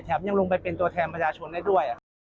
แถมเขายังลงไปเป็นตัวแท้มชาชนได้ด้วย